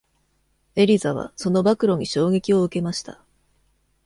エリザはその暴露に衝撃を受けました。